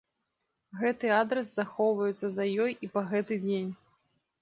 Гэты адрас захоўваецца за ёй і па гэты дзень.